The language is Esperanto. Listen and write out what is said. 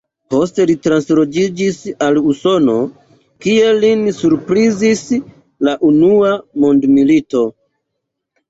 Poste li transloĝiĝis al Usono, kie lin surprizis la unua mondmilito.